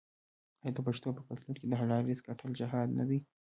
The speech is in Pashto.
آیا د پښتنو په کلتور کې د حلال رزق ګټل جهاد نه دی؟